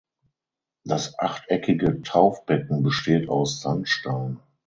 Das achteckige Taufbecken besteht aus Sandstein.